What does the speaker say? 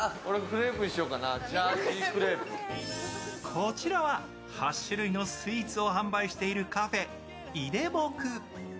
こちらは８種類のスイーツを販売しているカフェ、いでぼく。